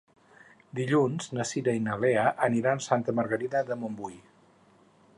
Dilluns na Cira i na Lea aniran a Santa Margarida de Montbui.